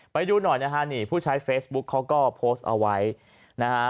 ไปดูหน่อยนะฮะนี่ผู้ใช้เฟซบุ๊กเขาก็โพสต์เอาไว้นะฮะ